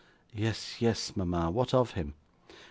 'Yes, yes, mama; what of him?